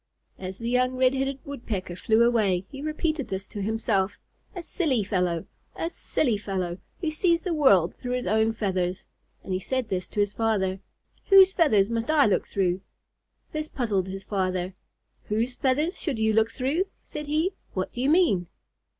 As the young Red headed Woodpecker flew away, he repeated this to himself: "A silly fellow, a silly fellow, who sees the world through his own feathers." And he said to his father, "Whose feathers must I look through?" This puzzled his father. "Whose feathers should you look through?" said he. "What do you mean?"